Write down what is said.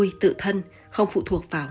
vui tự thân không phụ thuộc vào